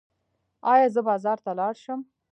ایا زه بازار ته لاړ شم؟